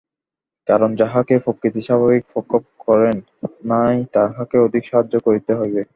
কারণ যাহাকে প্রকৃতি স্বাভাবিক প্রখর করেন নাই তাহাকে অধিক সাহায্য করিতে হইবে।